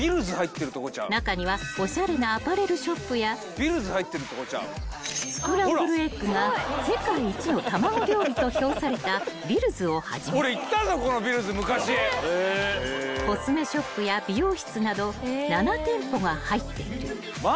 ［中にはおしゃれなアパレルショップやスクランブルエッグが世界一の卵料理と評されたｂｉｌｌｓをはじめコスメショップや美容室など７店舗が入っている］